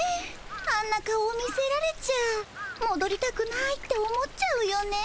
あんな顔を見せられちゃもどりたくないって思っちゃうよね。